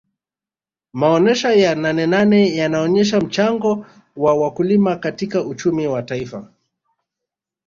maonesha ya nanenane yanaonesha mchango wa wakulima katika uchumi wa taifa